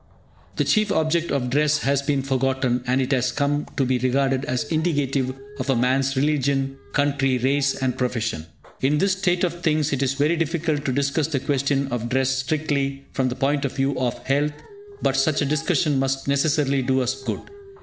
The chief object of dress has been forgotten, and it has come to be regarded as indicative of a man's religion, country, race and profession. In this state of things, it is very difficult to discuss the question of dress strictly from the point of view of health, but such a discussion must necessarily do us good.